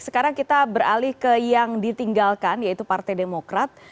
sekarang kita beralih ke yang ditinggalkan yaitu partai demokrat